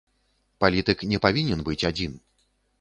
Палітык не павінен быць адзін.